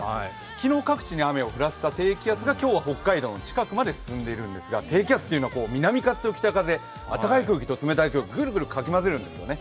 昨日、各地に雨を降らせた低気圧が今日は北海道の近くまで来ているんですが低気圧というのは南風と北風、暖かい空気と冷たい空気をグルグルかき混ぜるんですよね。